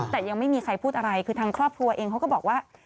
แต่ยังไม่มีใครพูดอะไรคือทางครอบครัวเองเขาก็บอกว่า